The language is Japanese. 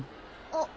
あっ。